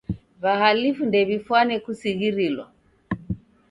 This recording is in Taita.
W'ahalifu ndew'ifwane kusighirilwa.